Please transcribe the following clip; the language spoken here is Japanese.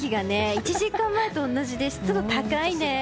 １時間前と同じで湿度が高いね。